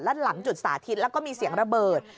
และหลังจุดสาธิตแล้วก็มีเสียงระเบิด